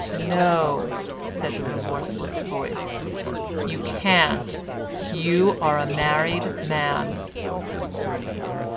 "No," said the remorseless voice, "YOU CAN'T. YOU ARE A MARRIED MAN."